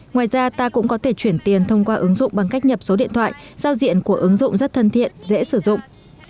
ngoài ra ta cũng có thể chuyển tiền thông qua ứng dụng bằng cách nhập số điện thoại giao diện của ứng dụng rất thân thiện dễ sử dụng